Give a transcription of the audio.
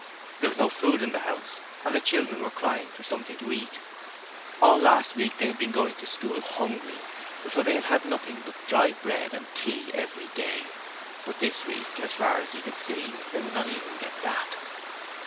There was no food in the house and the children were crying for something to eat. All last week they had been going to school hungry, for they had had nothing but dry bread and tea every day: but this week as far as he could see they would not get even that.